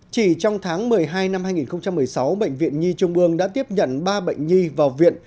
chỉ trong tháng một mươi hai năm hai nghìn một mươi sáu bệnh viện nhi trung ương đã tiếp nhận ba bệnh nhi vào viện